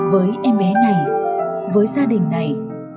với em bé này với gia đình này